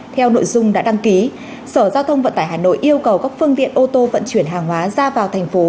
theo nội dung đã đăng ký sở giao thông vận tải hà nội yêu cầu các phương tiện ô tô vận chuyển hàng hóa ra vào thành phố